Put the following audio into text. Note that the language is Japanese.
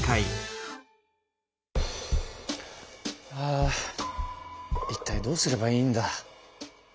あいったいどうすればいいんだ。